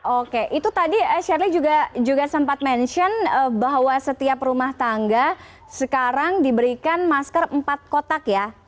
oke itu tadi shirley juga sempat mention bahwa setiap rumah tangga sekarang diberikan masker empat kotak ya